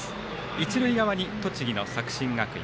一塁側に栃木の作新学院。